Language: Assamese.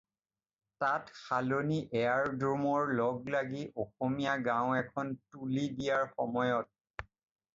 তাত “শালনি এয়াৰ ড্ৰম”ৰ লগালগি অসমীয়া গাঁও এখন তুলি দিয়াৰ সময়ত